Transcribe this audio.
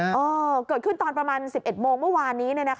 เออเกิดขึ้นตอนประมาณ๑๑โมงเมื่อวานนี้